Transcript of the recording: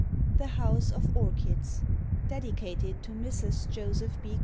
30 THE HOUSE OF ORCHIDS Dedicated to Mrs. Joseph B.